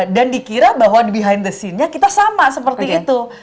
dan dikira bahwa di behind the scene nya kita sama seperti itu